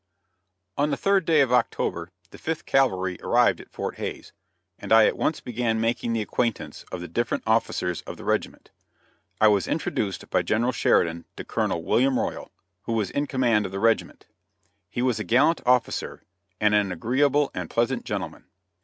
On the third day of October the Fifth Cavalry arrived at Fort Hays, and I at once began making the acquaintance of the different officers of the regiment. I was introduced by General Sheridan to Colonel William Royal, who was in command of the regiment. He was a gallant officer, and an agreeable and pleasant gentleman.